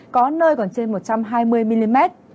có nơi còn trên một trăm hai mươi mm